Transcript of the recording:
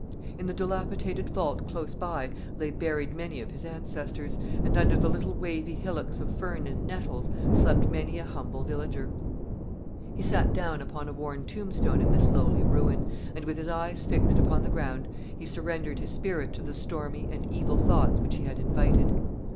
In the dilapidated vault close by lay buried many of his ancestors, and under the little wavy hillocks of fern and nettles, slept many an humble villager. He sat down upon a worn tombstone in this lowly ruin, and with his eyes fixed upon the ground, he surrendered his spirit to the stormy and evil thoughts which he had invited.